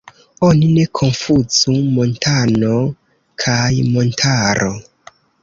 Oni ne konfuzu "montano" kaj "montaro".